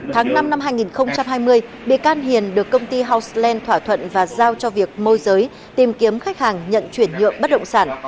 tháng năm năm hai nghìn hai mươi bị can hiền được công ty houseland thỏa thuận và giao cho việc môi giới tìm kiếm khách hàng nhận chuyển nhượng bất động sản